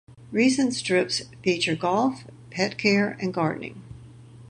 Recent strips feature golf, pet care and gardening.